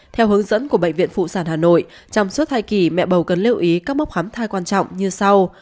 theo hướng dẫn của bệnh viện phụ sản hà nội trong suốt thai kỳ mẹ bầu cần lưu ý các mốc khám thai quan trọng như sau